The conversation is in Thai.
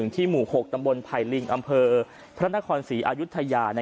ที่หมู่๖ตำบลไพรินก์อำเภอพระนครศีอยุธยา